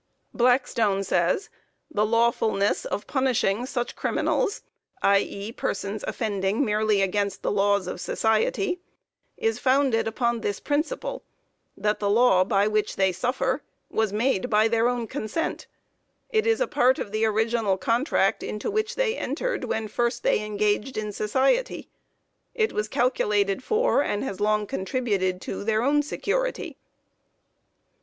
Blackstone says, "The lawfulness of punishing such criminals (i.e., persons offending merely against the laws of society) is founded upon this principle: that the law by which they suffer was made by their own consent; it is a part of the original contract into which they entered when first they engaged in society; it was calculated for and has long contributed to their own security."